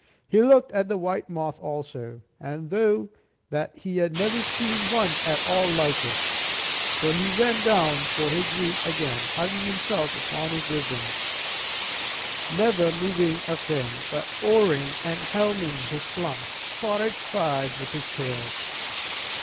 He looked at the white moth also, and thought that he had never seen one at all like it. So he went down under his root again, hugging himself upon his wisdom, never moving a fin, but oaring and helming his plump, spotted sides with his tail.